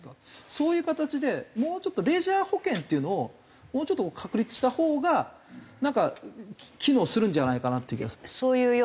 そういう形でもうちょっとレジャー保険っていうのをもうちょっと確立したほうがなんか機能するんじゃないかなって気がするんで。